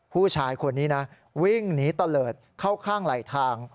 ผู้ชายคนนี้นะวิ่งหนีตะเลิศเข้าข้างไหลทาง